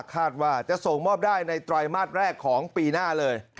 คาดว่าจะส่งมอบได้ในไตรมาสแรกของปีหน้าเลย